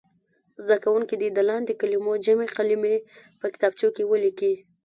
زده کوونکي دې د لاندې کلمو جمع کلمې په کتابچو کې ولیکي.